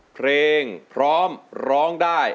เพลงพร้อมร้องได้